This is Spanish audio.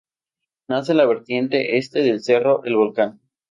Nace en la vertiente este del Cerro El Volcán.